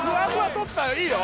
とったらいいよ